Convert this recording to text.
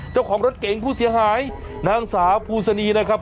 เจ้าของรถเก๋งผู้เสียหายนางสาวภูสนีนะครับ